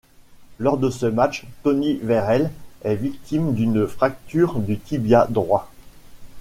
Lors de ce match, Tony Vairelles est victime d'une fracture du tibia droit.